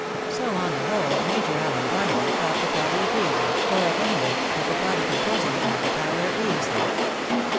So, on the whole, Major Allen Barnaby thought the party agreeable, or a1> any rate that the party composing it had the power of being so.